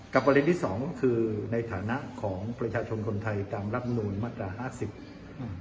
ประเด็นที่สองก็คือในฐานะของประชาชนคนไทยตามรับนูลมาตราห้าสิบอืม